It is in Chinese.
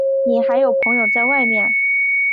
你还有朋友在外面？